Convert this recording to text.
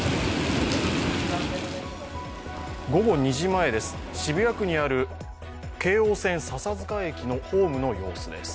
午後２時前、渋谷区にある京王線・笹塚駅のホームの様子です。